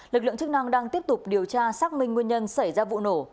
lực lượng chức năng đang tiếp tục điều tra xác minh nguyên nhân xảy ra vụ nổ